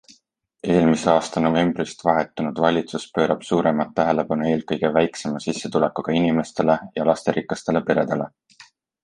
Eelmise aasta novembrist vahetunud valitsus pöörab suuremat tähelepanu eelkõige väiksema sissetulekuga inimestele ja lasterikastele peredele.